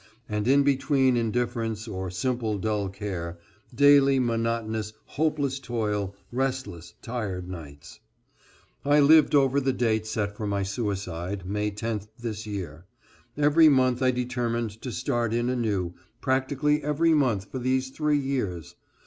And in between indifference, or simply dull care, daily monotonous, hopeless toil, restless, tired nights. I lived over the date set for my suicide, May 10th, this year. Every month I determined to start in anew, practically every month for these three years.